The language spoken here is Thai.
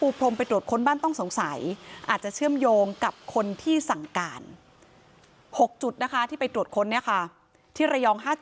ปรุผมไปตรวจคนบ้านต้องสงสัยอาจจะเชื่อมโยงกับคนที่สั่งการ